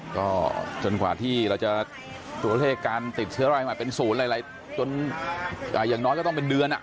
ก็จนกว่าที่เราจะตัวเลขการติดเชื้อรายใหม่เป็นศูนย์อะไรจนอย่างน้อยก็ต้องเป็นเดือน